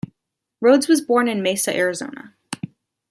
Rhodes was born in Mesa, Arizona.